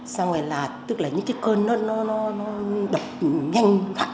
xong rồi là những cái cơn nó đập nhanh